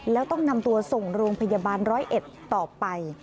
แล้วต้องนำตัวส่งโรงพยาบาลร้อยเอ็ดต่อไป